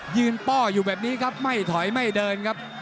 ป้ออยู่แบบนี้ครับไม่ถอยไม่เดินครับ